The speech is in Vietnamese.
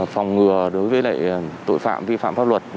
phòng ngừa đối với lại tội phạm vi phạm pháp luật về trẻ em